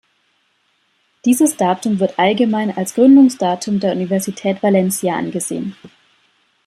Dieses Datum wird allgemein als Gründungsdatum der Universität Valencia angesehen.